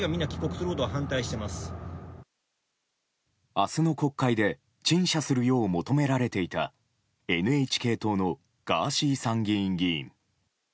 明日の国会で陳謝するよう求められていたＮＨＫ党のガーシー参議院議員。